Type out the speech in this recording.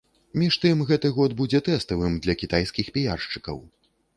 Між тым гэты год будзе тэставым для кітайскіх піяршчыкаў.